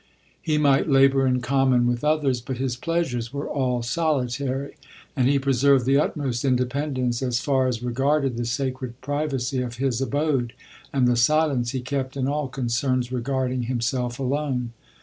He might labour in common with others, but his pleasures were all solitary, and he preserved the utmost independence as far as regarded the sacred privacy of his abode, and the silence he kept in all concerns regarding himself alone.